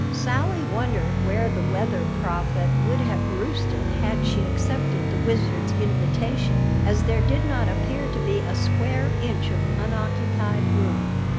Sally wondered where the Weather Prophet would have roosted had she accepted the Wizard's invitation, as there did not appear to be a square inch of unoccupied room.